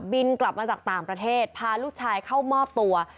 กลับมาจากต่างประเทศพาลูกชายเข้ามอบตัว